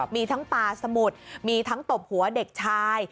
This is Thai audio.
มีทั้งปลาสมุดมีทั้งตบหัวเด็กชาย